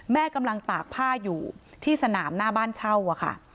แม่กำลังตากผ้าอยู่ที่สนามหน้าบ้านเช่าอะค่ะ